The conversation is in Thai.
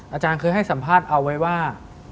อาจารย์เคยให้สัมภาษณ์เอาไว้ว่า